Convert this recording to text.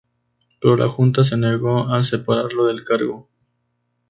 Pero la Junta se negó a separarlo del cargo.